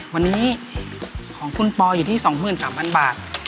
วันนี้ของคุณปออยู่ที่๒๓๐๐บาท